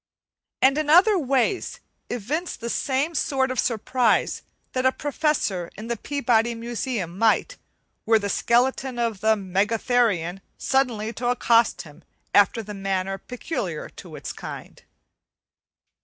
and in other ways evince the same sort of surprise that a professor in the Peabody Museum might, were the skeleton of the megatherium suddenly to accost him after the manner peculiar to its kind.